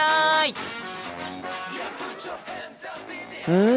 うん！